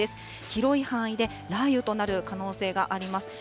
広い範囲で雷雨となる可能性があります。